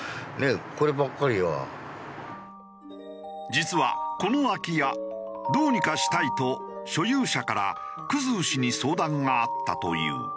実はこの空き家どうにかしたいと所有者から生氏に相談があったという。